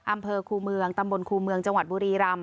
อำเภอครูเมืองตำบลครูเมืองจังหวัดบุรีรำ